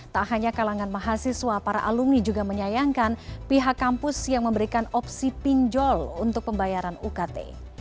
tak hanya kalangan mahasiswa para alumni juga menyayangkan pihak kampus yang memberikan opsi pinjol untuk pembayaran ukt